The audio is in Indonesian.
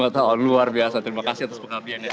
dua tahun luar biasa terima kasih atas pengabdiannya